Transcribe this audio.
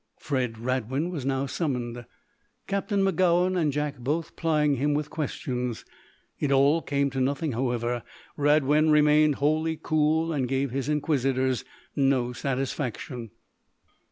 Fred Radwin was now summoned, Captain Magowan and Jack both plying him with questions. It all came to nothing, however. Radwin remained wholly cool and gave his inquisitors no satisfaction.